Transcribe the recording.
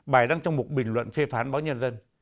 bài đăng trong một bình luận phê phán báo nhân dân